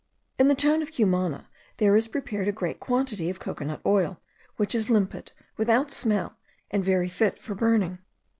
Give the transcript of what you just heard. In the town of Cumana there is prepared a great quantity of cocoa nut oil, which is limpid, without smell, and very fit for burning.